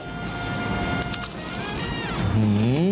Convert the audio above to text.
อื้อหือ